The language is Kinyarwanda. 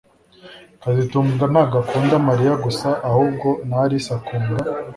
kazitunga ntabwo akunda Mariya gusa ahubwo na Alice akunda